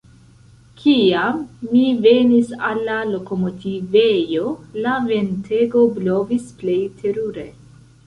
Kiam mi venis al la lokomotivejo, la ventego blovis plej terure.